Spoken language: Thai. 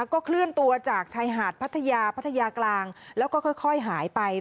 ก็เคลื่อนตัวจากชายหาดพัทยาพัทยากลางแล้วก็ค่อยหายไป